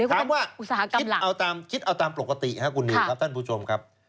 ถามว่าคิดเอาตามปกติครับคุณนิวครับท่านผู้ชมครับ